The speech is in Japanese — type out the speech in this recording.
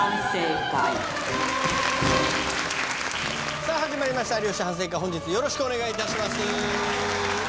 さぁ始まりました『有吉反省会』本日よろしくお願いいたします。